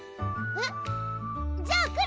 えっ？